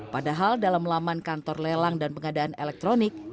padahal dalam laman kantor lelang dan pengadaan elektronik